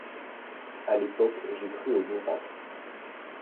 À l’époque j’ai cru au miracle.